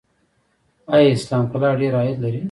آیا اسلام قلعه ډیر عاید لري؟